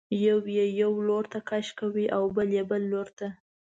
یو یې یو لورته کش کوي او بل یې بل لورته.